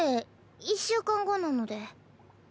１週間後なので。